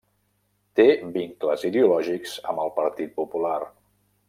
Té vincles ideològics amb el Partit Popular.